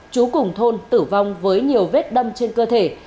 chú cùng thôn tử vong với nhiều vết đâm trên cây